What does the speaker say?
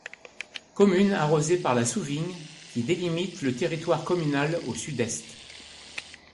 Commune arrosée par la Souvigne qui délimite le territoire communal au sud-est.